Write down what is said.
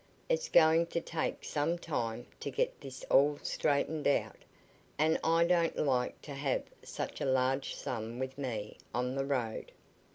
"It's going to take some time to get this all straightened out, and I don't like to have such a large sum with me on the road."